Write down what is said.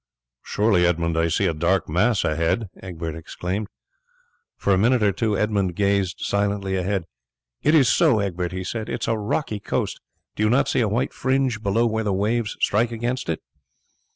"Surely, Edmund, I see a dark mass ahead?" Egbert exclaimed. For a minute or two Edmund gazed silently ahead. "It is so, Egbert," he said; "it is a rocky coast. Do you not see a white fringe below where the waves strike against it?"